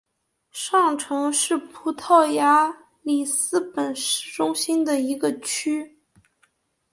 上城是葡萄牙里斯本市中心的一个区。